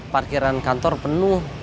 parkiran kantor penuh